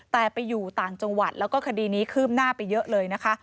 แต่ไปอยู่ต่างจังหวัดแล้วก็คดีนี้คืบหน้าไปเยอะเลยนะคะ